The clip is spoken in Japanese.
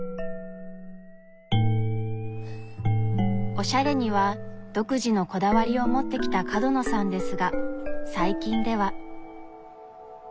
おしゃれには独自のこだわりを持ってきた角野さんですが最近では。